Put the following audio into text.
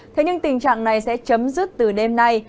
thế nhưng tình trạng này sẽ chấm dứt từ đêm nay